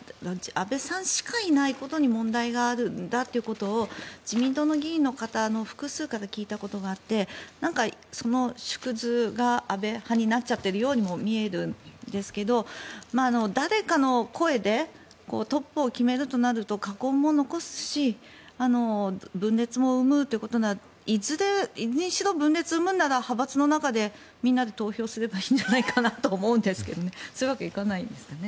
安倍さんしかいないことに問題があるということを自民党の議員の方の複数から聞いたことがあってその縮図が安倍派になっちゃってるようにも見えるんですけど誰かの声でトップを決めるとなると禍根を残すし分裂も生むということでいずれにしろ分裂を生むなら派閥の中でみんなで投票すればいいと思うんですがそういうわけにはいかないんですかね。